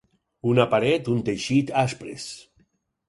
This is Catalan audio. Una paret, un teixit, aspres.